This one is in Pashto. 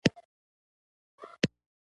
هغې خپل لور ته زنګ ووهله